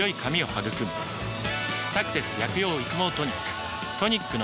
「サクセス薬用育毛トニック」